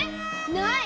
ない！